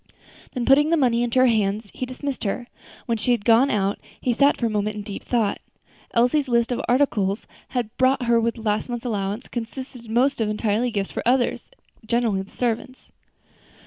Then, putting the money into her hands, he dismissed her. When she had gone out he sat for a moment in deep thought. Elsie's list of articles bought with her last month's allowance consisted almost entirely of gifts for others, generally the servants.